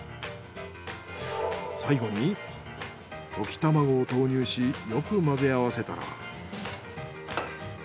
最後に溶き卵を投入しよく混ぜ合わせたら。